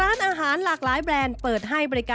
เป็นอย่างไรนั้นติดตามจากรายงานของคุณอัญชาลีฟรีมั่วครับ